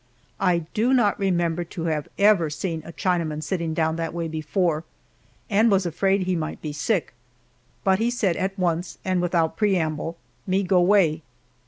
I do not remember to have ever seen a Chinaman sitting down that way before, and was afraid he might be sick, but he said at once and without preamble, "Me go 'way!"